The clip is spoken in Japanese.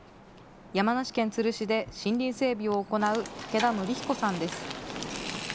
山梨県都留市で森林整備を行う竹田仙比古さんです。